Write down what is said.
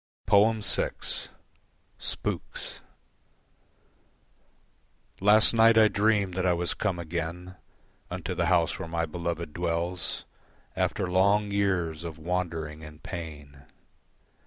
VI. Spooks Last night I dreamed that I was come again Unto the house where my beloved dwells After long years of wandering and pain.